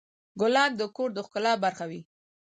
ګلان د کور د ښکلا برخه وي.